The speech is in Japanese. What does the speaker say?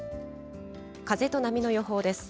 風と波の予報です。